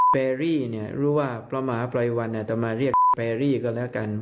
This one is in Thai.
แพรรี่เนี่ยหรือว่าพระมหาพรย์วันอัธมาเรียกแพรรี่ก็แล้วกัน